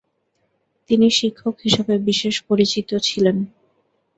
তিনি শিক্ষক হিসাবে বিশেষ পরিচিত ছিলেন ।